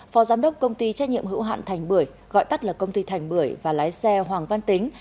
phó giám đốc công ty trách nhiệm hữu hạn thành bưởi gọi tắt là công ty thành bưởi và lái xe hoàng văn tính